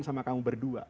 sama kamu berdua